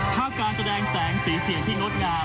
การแสดงแสงสีเสียงที่งดงาม